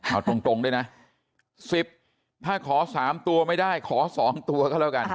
อ่าตรงตรงด้วยนะสิบถ้าขอสามตัวไม่ได้ขอสองตัวเขาแล้วกัน